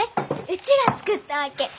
うちが作ったわけ。